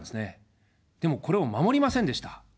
でも、これを守りませんでした。